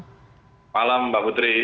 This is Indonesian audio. selamat malam mbak putri